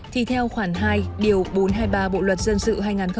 thì theo khoản hai điều bốn trăm hai mươi ba bộ luật dân sự hai nghìn một mươi năm